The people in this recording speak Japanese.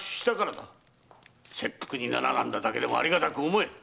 切腹にならなんだだけでもありがたく思え。